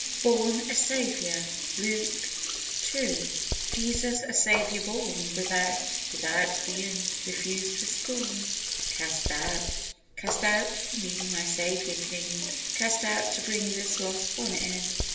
"BORN A SAVIOUR." Luke ii. 11. Jesus a Saviour born, Without: Without the inn, refused with scorn. Cast out: Cast out for me, my Saviour, King, Cast out to bring this lost one in.